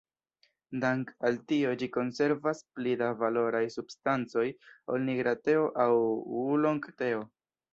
Dank' al tio ĝi konservas pli da valoraj substancoj ol nigra teo aŭ ŭulong-teo.